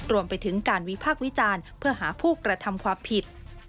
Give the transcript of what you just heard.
รวมไปถึงการวิพากษ์วิจารณ์เพื่อหาผู้กระทำความผิด